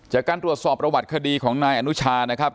จากการตรวจสอบประวัติคดีของนายอนุชานะครับ